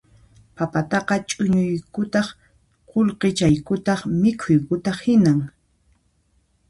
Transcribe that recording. Papataqa chuñuykutaq qullqichaykutaq mikhuykutaq hinan